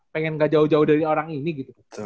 pengen gak jauh jauh dari orang ini gitu